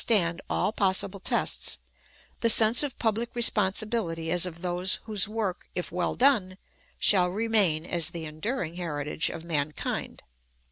stand all possible tests, the sense of public responsibility as of those whose work, if well done, shall remain as the enduring heritage of mankind.